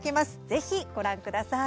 ぜひ、ご覧ください。